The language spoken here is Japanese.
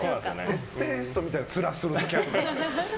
エッセイストみたいなつらするときある。